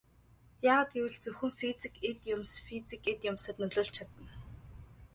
Яагаад гэвэл зөвхөн физик эд юмс физик эд юмсад нөлөөлж чадна.